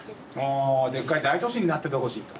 あでっかい大都市になっててほしいと。